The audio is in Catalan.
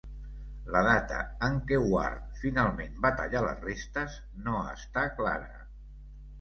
La data en què Ward finalment va tallar les restes no està clara.